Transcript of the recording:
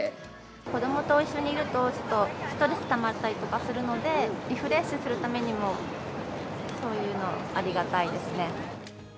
子どもと一緒にいると、ストレスたまったりとかするので、リフレッシュするためにも、そういうの、ありがたいですね。